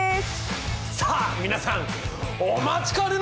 さあ皆さんお待ちかねの。